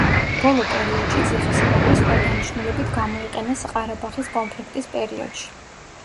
ბოლო პერიოდში ციხესიმაგრე სხვა დანიშნულებით გამოიყენეს ყარაბახის კონფლიქტის პერიოდში.